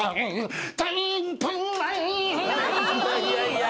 いやいや。